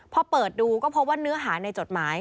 พอเปิดดูก็พบว่าเนื้อหาในจดหมาย